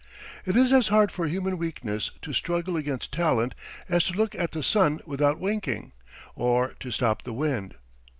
It is as hard for human weakness to struggle against talent as to look at the sun without winking, or to stop the wind.